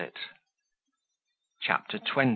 CHAPTER XX.